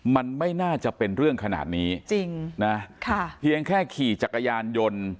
มันไม่น่าจะเป็นเรื่องขนาดนี้จริงนะค่ะเพียงแค่ขี่จักรยานยนต์